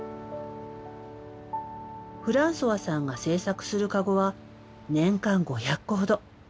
フランソワさんが制作するかごは年間５００個ほど。